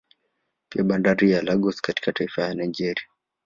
Pia bandari ya Lagos katika taifa la Nigeria